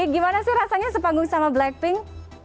gimana sih rasanya sepanggung sama blackpink